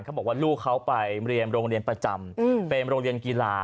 เขาบอกว่าลูกเขาไปเรียนโรงเรียนประจำเป็นโรงเรียนกีฬา